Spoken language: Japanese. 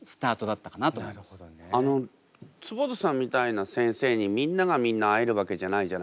あの坪田さんみたいな先生にみんながみんな会えるわけじゃないじゃないですか。